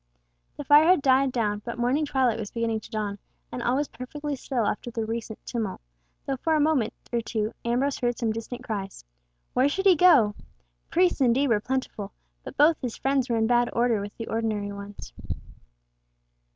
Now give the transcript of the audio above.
The fire had died down, but morning twilight was beginning to dawn, and all was perfectly still after the recent tumult, though for a moment or two Ambrose heard some distant cries. Where should he go? Priests indeed were plentiful, but both his friends were in bad odour with the ordinary ones.